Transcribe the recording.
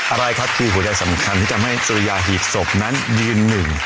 อะไรครับคือหัวใจสำคัญที่ทำให้สุริยาหีบศพนั้นยืนหนึ่ง